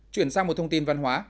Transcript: chuyển sang một thông tin văn hóa